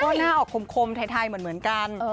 ก็หน้าออกคมไทยเหมือนกัน